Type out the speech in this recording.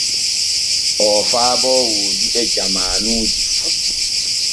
Oo faabo wooduɓe jamaanuji fu.